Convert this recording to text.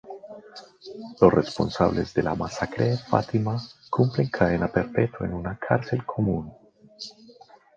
Los responsables de la masacre de Fátima cumplen cadena perpetua en una cárcel común.